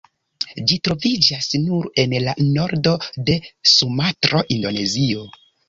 Ĝi troviĝas nur en la nordo de Sumatro, Indonezio.